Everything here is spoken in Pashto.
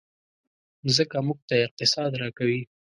مځکه موږ ته اقتصاد راکوي.